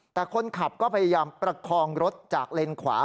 แต่คนขับก็พยายามประคองรถจากเลนขวา